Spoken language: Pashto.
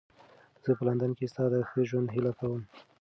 زه به په لندن کې ستا د ښه ژوند هیله کوم.